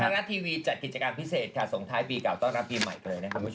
รัฐทีวีจัดกิจกรรมพิเศษค่ะส่งท้ายปีเก่าต้อนรับปีใหม่กันเลยนะครับคุณผู้ชม